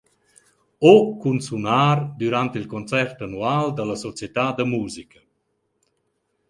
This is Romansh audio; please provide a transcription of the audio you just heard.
o cun sunar dürant il concert annual da la società da musica.